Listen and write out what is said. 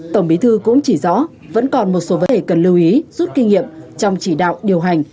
tổng bí thư cũng chỉ rõ vẫn còn một số vấn đề cần lưu ý rút kinh nghiệm trong chỉ đạo điều hành